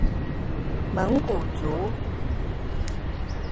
蒙古族。